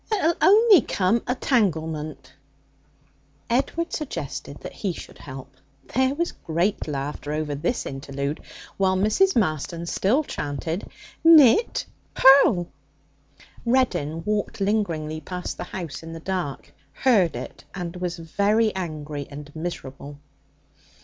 'It'll only come a tanglement,' Edward suggested that he should help; there was great laughter over this interlude, while Mrs. Marston still chanted, 'Knit, purl!' Reddin walked lingeringly past the house in the dark, heard it, and was very angry and miserable.